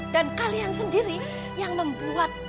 dan kalian sendiri yang membuat